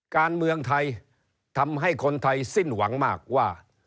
การเมืองไทยทำให้คนไทยสิ้นหวังมากว่า